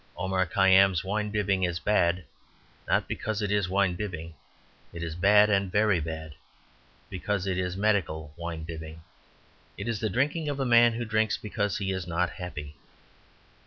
Omar Khayyam's wine bibbing is bad, not because it is wine bibbing. It is bad, and very bad, because it is medical wine bibbing. It is the drinking of a man who drinks because he is not happy.